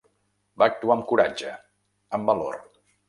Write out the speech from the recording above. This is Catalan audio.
Va actuar amb coratge, amb valor.